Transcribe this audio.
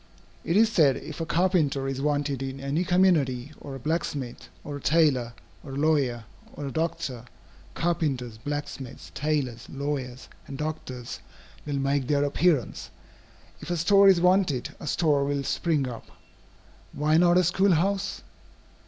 It is said if a carpenter is wanted in any community, or a blacksmith, or a tailor, or a lawyer, or a doctor, carpenters, blacksmiths, tailors, lawyers, and doctors will make their appearance. If a store is wanted, a store will spring up. Why not a school house?